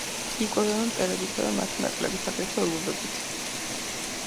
იკვებება მწერებითა და მათი მატლებით, აგრეთვე ობობებით.